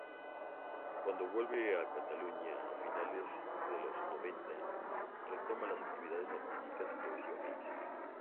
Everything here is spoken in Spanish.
Cuando vuelve a Cataluña a finales de los noventa, retoma la actividad artística progresivamente.